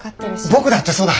僕だってそうだ。